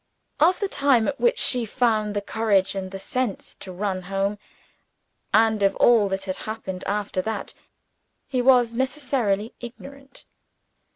Of the time at which she found the courage and the sense to run home, and of all that had happened after that, he was necessarily ignorant.